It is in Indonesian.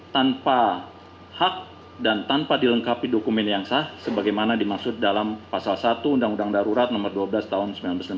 tanpa hak dan tanpa dilengkapi dokumen yang sah sebagaimana dimaksud dalam pasal satu undang undang darurat nomor dua belas tahun seribu sembilan ratus sembilan puluh